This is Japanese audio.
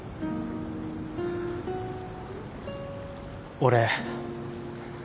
俺。